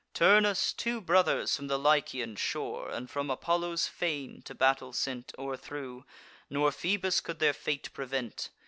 Turnus two brothers from the Lycian shore, And from Apollo's fane to battle sent, O'erthrew; nor Phoebus could their fate prevent.